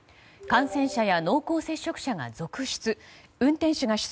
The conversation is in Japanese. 感染者や濃厚接触者が続出。